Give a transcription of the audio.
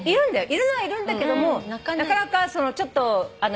いるのはいるんだけどもなかなかちょっと避暑の方とか。